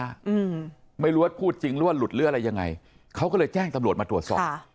อืมไม่รู้ว่าพูดจริงหรือว่าหลุดหรืออะไรยังไงเขาก็เลยแจ้งตำรวจมาตรวจสอบค่ะ